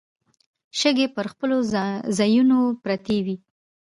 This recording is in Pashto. شګې پر خپلو ځايونو پرتې وې.